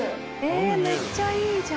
めっちゃいいじゃん！